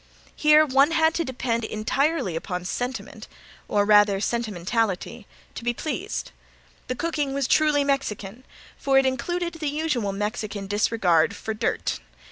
Here one had to depend entirely upon sentiment, or rather sentimentality, to be pleased. The cooking was truly Mexican for it included the usual Mexican disregard for dirt.